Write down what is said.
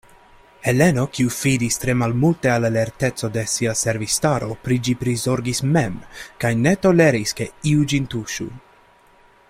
Heleno, kiu fidis tre malmulte al la lerteco de sia servistaro, pri ĝi prizorgis mem, kaj ne toleris, ke iu ĝin tuŝu.